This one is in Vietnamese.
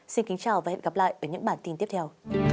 xin kính chào và hẹn gặp lại ở những bản tin tiếp theo